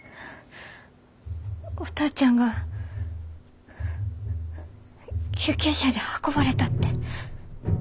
お父ちゃんが救急車で運ばれたって。